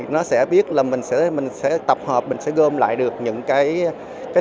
nó sẽ biết là mình sẽ tập hợp mình sẽ gom lại được những cái